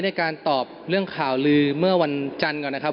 ในการตอบเรื่องข่าวลือเมื่อวันจันทร์ก่อนนะครับ